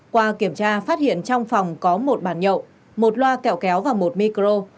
qua kiểm tra phát hiện trong phòng có một bàn nhậu một loa kẹo kéo và một micro